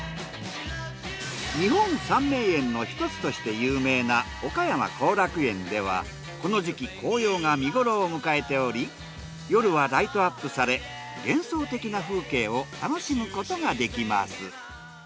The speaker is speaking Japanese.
日本三名園のひとつとして有名な岡山後楽園ではこの時期紅葉が見頃を迎えており夜はライトアップされ幻想的な風景を楽しむことができます。